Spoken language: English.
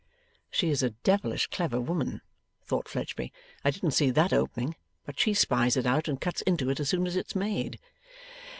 ['She is a devilish clever woman,' thought Fledgeby. 'I didn't see that opening, but she spies it out and cuts into it as soon as it's made.